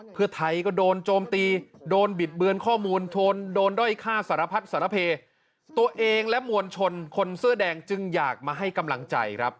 พวกทัยเขาโดนโจมตีโดนบิบเบือนข้อมูลโดนโดยค่าสารพัทสารเพตัวเองและมวลชนจึงอาจให้กำลังใจ